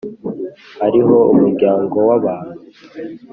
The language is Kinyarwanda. hariho umuryango w’abantu,